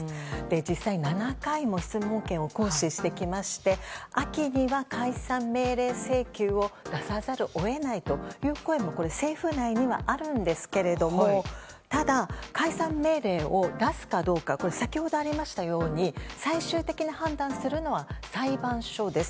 実際、７回も質問権を行使してきまして秋には解散命令請求を出さざるを得ないという声も政府内にはあるんですけれどもただ、解散命令を出すかどうか先ほどありましたように最終的に判断するのは裁判所です。